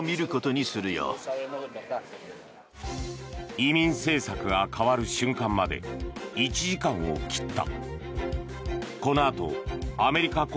移民政策が変わる瞬間まで１時間を切った。